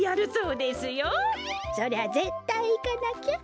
そりゃぜったいいかなきゃ。